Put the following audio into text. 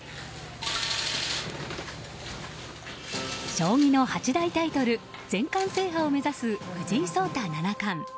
将棋の八大タイトル全冠制覇を目指す藤井聡太七冠。